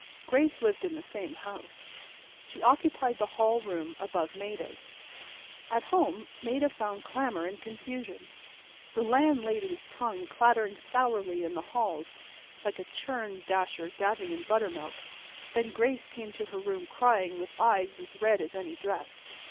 Grace lived in the same house. She occupied the hall room above Maida's. At home Maida found clamor and confusion. The landlady's tongue clattering sourly in the halls like a churn dasher dabbing in buttermilk. And then Grace come down to her room crying with eyes as red as any dress.